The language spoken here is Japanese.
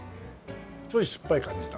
ちょい酸っぱい感じだ。